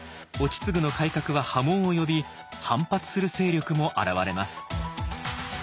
意次の改革は波紋を呼び反発する勢力も現れます。